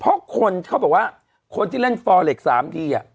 เพราะคนเขาบอกว่าคนที่เล่นฟอเล็ก๓ที